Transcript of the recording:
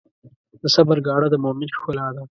د صبر ګاڼه د مؤمن ښکلا ده.